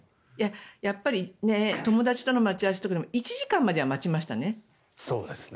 やっぱり友達との待ち合わせでも１時間までは待ちましたね。